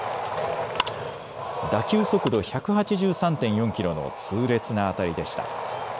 打球速度１８３．４キロの痛烈な当たりでした。